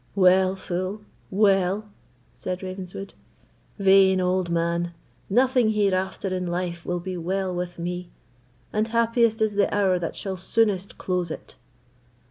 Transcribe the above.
"Well, fool! well!" said Ravenswood. "Vain old man, nothing hereafter in life will be well with me, and happiest is the hour that shall soonest close it!"